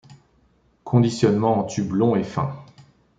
Conditionnement en tube longs et fins.